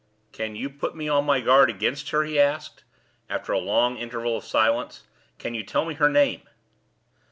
"Can you put me on my guard against her?" he asked, after a long interval of silence. "Can you tell me her name?"